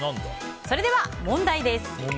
それでは問題です。